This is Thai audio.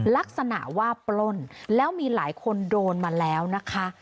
ลักษณะว่าปล้นแล้วมีหลายคนโดนมาแล้วนะคะ